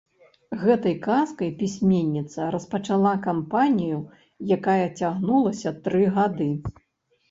Гэтай казкай пісьменніца распачала кампанію, якая цягнулася тры гады.